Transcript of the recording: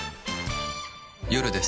夜です。